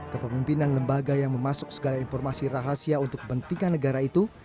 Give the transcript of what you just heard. kepemimpinan lembaga yang memasuk segala informasi rahasia untuk kepentingan negara itu